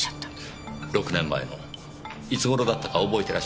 ６年前のいつ頃だったか覚えてらっしゃいますか？